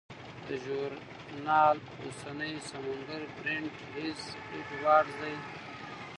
د ژورنال اوسنی سمونګر برینټ هیز اډوارډز دی.